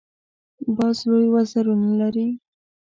باز لوی وزرونه لري